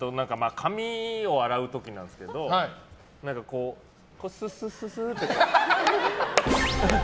髪を洗う時なんですけどすすすって。